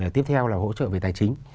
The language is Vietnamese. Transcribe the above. tiếp theo là hỗ trợ về tài chính